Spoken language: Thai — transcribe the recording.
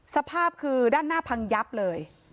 สภาพคือด้านหน้าพังยับเลย